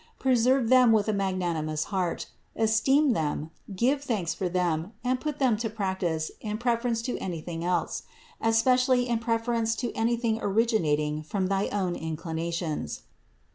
Preserve them with a magnanimous heart ; esteem them, give thanks for them, and put them to prac tice in preference to anything else, especially in pref erence to anything originating from thy own inclinations.